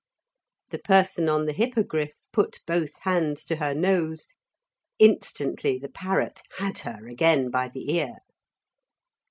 The person on the Hippogriff put both hands to her nose. Instantly the parrot had her again by the ear.